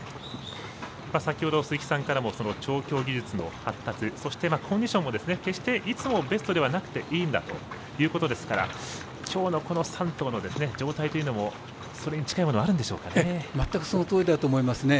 先ほど鈴木さんからも調教技術の発達そして、コンディションもいつもベストじゃなくていいんだということできょうのこの３頭の状態というのもそれに近いものはそのとおりだと思います。